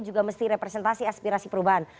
juga mesti representasi aspirasi perubahan